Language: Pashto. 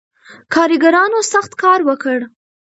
کارګرانو سخت کار وکړ.